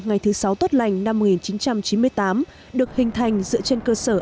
ngày thứ sáu tốt lành năm một nghìn chín trăm chín mươi tám được hình thành dựa trên cơ sở